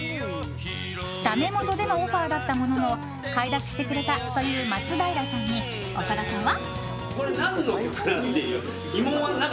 だめもとでのオファーだったものの快諾してくれたという松平さんに長田さんは。